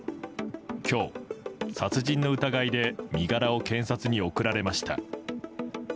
今日、殺人の疑いで身柄を検察に送られました。